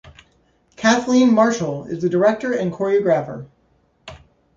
Kathleen Marshall is the director and choreographer.